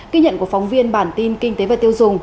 ghi nhận của phóng viên bản tin kinh tế và tiêu dùng